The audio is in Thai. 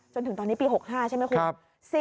จนถึงตอนนี้ปี๖๕ใช่ไหมครูครับ